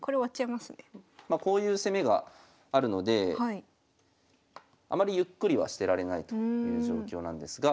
まこういう攻めがあるのであまりゆっくりはしてられないという状況なんですが。